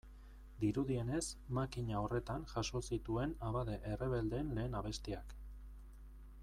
Dirudienez, makina horretan jaso zituen abade errebeldeen lehen abestiak.